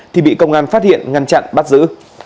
thì bị công an phát hiện ngăn chặn bắt giữ